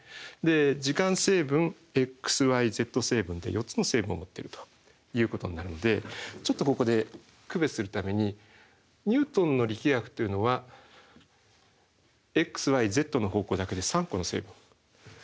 時間成分ｘｙｚ成分で４つの成分を持っているということになるのでちょっとここで区別するためにニュートンの力学というのはｘｙｚの方向だけで３個の成分。